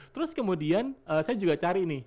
terus kemudian saya juga cari nih